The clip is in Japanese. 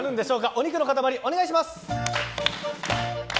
お肉の塊お願いします。